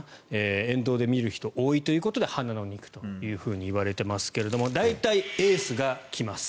沿道で見る人が多いということで花の２区と言われていますが大体、エースが来ます。